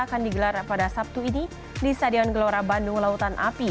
akan digelar pada sabtu ini di stadion gelora bandung lautan api